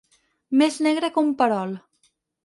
Més negre que un perol.